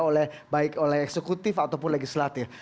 oleh baik oleh eksekutif ataupun legislatif